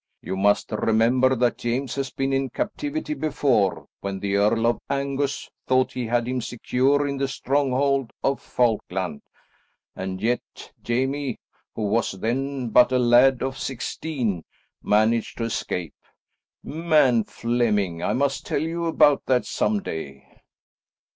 You must remember that James has been in captivity before, when the Earl of Angus thought he had him secure in the stronghold of Falkland, and yet, Jamie, who was then but a lad of sixteen, managed to escape. Man Flemming, I must tell you about that some day."